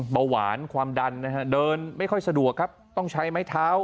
เบาหวานความดันนะฮะเดินไม่ค่อยสะดวกครับต้องใช้ไม้เท้า